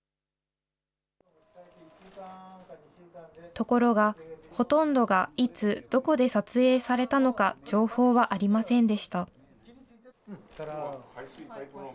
ところが、ほとんどがいつ、どこで撮影されたのか、情報はありませんでした。